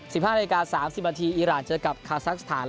ห้านาฬิกาสามสิบนาทีอีรานเจอกับคาซักสถาน